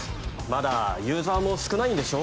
まだユーザーも少ないんでしょ？